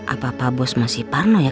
apa pa bos masih parno ya